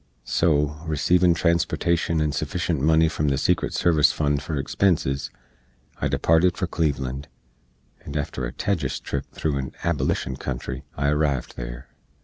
So, receevin transportashen and suffishent money from the secret service fund for expenses, I departed for Cleveland, and after a tejus trip thro' an Ablishn country, I arrived there.